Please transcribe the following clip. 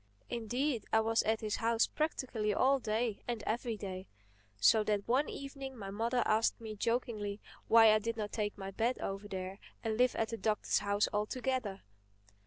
Indeed I was at his house practically all day and every day. So that one evening my mother asked me jokingly why I did not take my bed over there and live at the Doctor's house altogether.